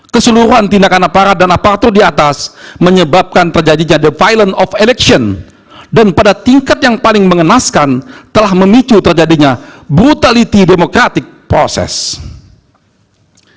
keseluruhan tindakan aparat dan aparatur di atas menyebabkan terjadinya the violent of election dan pada tingkat yang paling mengenaskan telah memicu terjadinya brutality democratic process